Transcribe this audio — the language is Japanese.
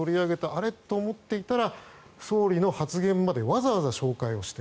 あれ？と思っていたら総理の発言までわざわざ紹介して。